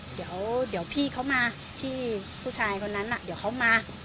เดี๋ยวพี่เขามาพี่ผู้ชายคนนั้นเดี๋ยวเขามา